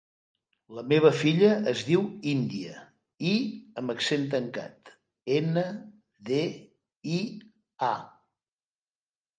La meva filla es diu Índia: i amb accent tancat, ena, de, i, a.